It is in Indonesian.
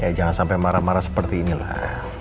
eh jangan sampai marah marah seperti inilah